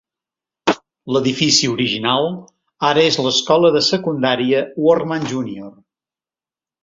L'edifici original ara és l'Escola de Secundaria Workman Junior.